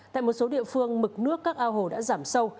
tại một số địa phương mực nước các ao hồ đã giảm sâu